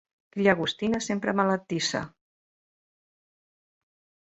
Cria agostina, sempre malaltissa.